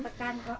oh tekan kok